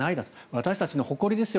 私たちの誇りですよ